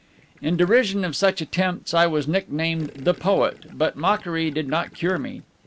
In derision of such attempts, I was nicknamed the Poet, but mockery did not cure me.